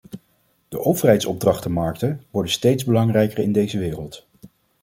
De overheidsopdrachtenmarkten worden steeds belangrijker in deze wereld.